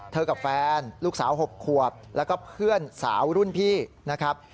กับแฟนลูกสาว๖ขวบแล้วก็เพื่อนสาวรุ่นพี่นะครับ